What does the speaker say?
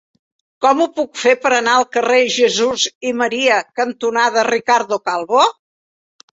Com ho puc fer per anar al carrer Jesús i Maria cantonada Ricardo Calvo?